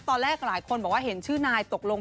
หลายคนบอกว่าเห็นชื่อนายตกลง